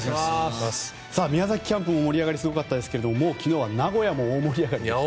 宮崎キャンプも盛り上がりがすごかったですがもう昨日は名古屋も大盛り上がりでしたね。